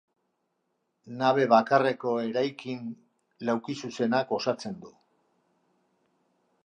Nabe bakarreko eraikin laukizuzenak osatzen du.